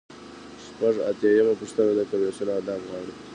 شپږ اتیا یمه پوښتنه د کمیسیون اهداف غواړي.